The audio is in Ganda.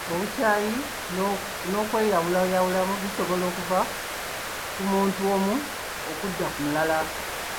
Obukyayi n'okweyawulayawula bisobola okuva ku muntu omu okudda ku mulala.